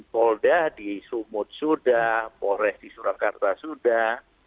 polda di sumut sudah polres di surakarta sudah